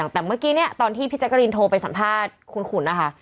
แต่เมื่อกี้เนี่ยตอนที่พี่แจกรีนโทรไปสัมภาษณ์คุณขุนนะคะ